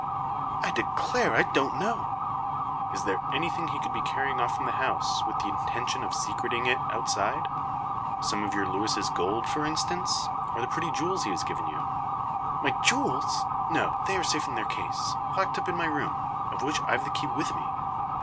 "I declare I don't know." "Is there anything he could be carrying off from the house, with the intention of secreting it outside? Some of your Luis's gold for instance, or the pretty jewels he has given you?" "My jewels! No; they are safe in their case; locked up in my room, of which I've the key with me.